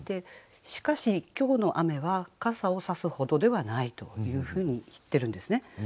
しかし今日の雨は傘をさすほどではないというふうに言ってるんですね。